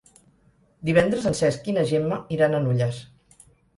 Divendres en Cesc i na Gemma iran a Nulles.